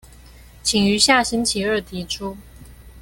請於下星期二提出